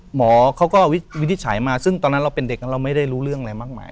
หมอเขาก็วินิจฉัยมาซึ่งตอนนั้นเราเป็นเด็กแล้วเราไม่ได้รู้เรื่องอะไรมากมาย